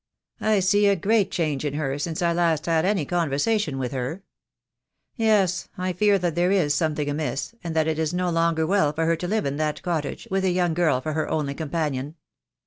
I see a great change in her since I last had any conversation with her. Yes, I fear that there is something amiss, and that it is no longer well for her to live in that cottage, with a young girl for her only companion.